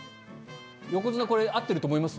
横綱これ合ってると思います？